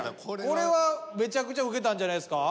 これはめちゃくちゃウケたんじゃないですか？